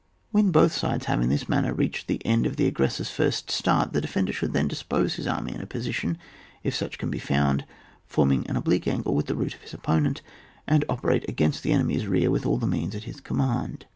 When both sides have in this manner reached the end of the aggressor's first start, the defender should then dispose his army in a position, if such can be found, forming an oblique angle with the route of his opponent, and operate against the enemy's rear with sdl the means at his command.